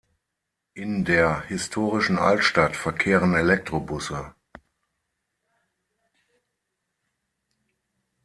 In der historischen Altstadt verkehren Elektrobusse.